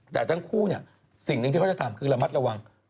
แต่ทั้งคู่เนี่ยสิ่งหนึ่งที่เขาจะทำคือระมัดระวัง